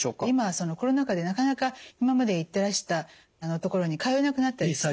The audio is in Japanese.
今はコロナ禍でなかなか今まで行ってらした所に通えなくなったり。